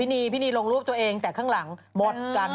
นีพี่นีลงรูปตัวเองแต่ข้างหลังหมดกัน